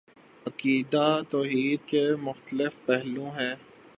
عقیدہ توحید کے مختلف پہلو ہیں